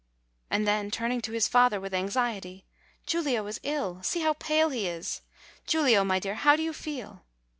And then, turning to his father, with anxiety : "Giulio is ill. See how pale he is ! Giulio, my dear, how do you feel?"